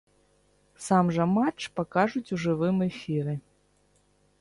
Сам жа матч пакажуць у жывым эфіры.